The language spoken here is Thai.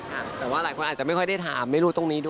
แต่ว่าหลายคนอาจจะไม่ค่อยได้ถามไม่รู้ตรงนี้ด้วย